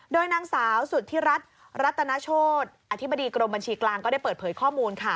โดยนางสาวสุธิรัฐรัตนโชธอธิบดีกรมบัญชีกลางก็ได้เปิดเผยข้อมูลค่ะ